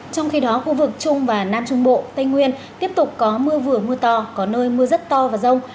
trong khi đó khu vực trung và nam trung bộ tây nguyên tiếp tục có mưa vừa mưa to có nơi mưa rất to và rông